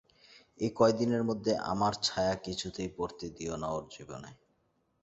এই কয়দিনের মধ্যে আমার ছায়া কিছুতেই পড়তে দিয়ো না ওঁর জীবনে।